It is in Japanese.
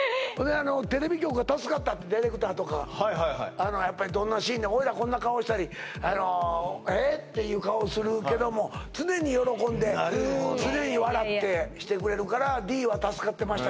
テレビ局が助かったってディレクターとかはいはいはいやっぱりどんなシーンでも俺らこんな顔したりえっていう顔するけどもいやいやいやいやしてくれるからＤは助かってました